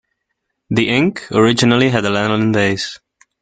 The ink originally had a lanolin base.